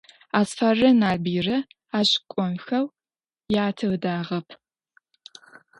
Асфаррэ Налбыйрэ ащ кӀонхэу ятэ ыдагъэп.